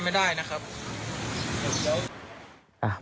ผมคิดว่า๘๐บาทนี้เป็นไปไม่ได้นะครับ